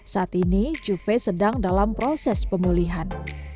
saat ini juve sedang dalam proses pemulihan